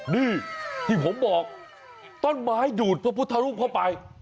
นี่ที่ผมบอกต้นไม้ดูดพระพุทธรูปเข้าไป